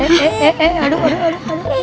eh eh eh aduh aduh